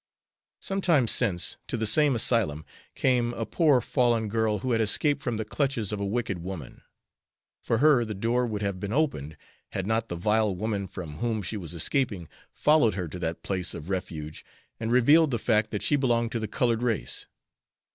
Sometime since, to the same asylum, came a poor fallen girl who had escaped from the clutches of a wicked woman. For her the door would have been opened, had not the vile woman from whom she was escaping followed her to that place of refuge and revealed the fact that she belonged to the colored race.